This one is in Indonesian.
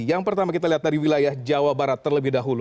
yang pertama kita lihat dari wilayah jawa barat terlebih dahulu